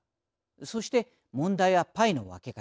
そして問題はパイの分け方。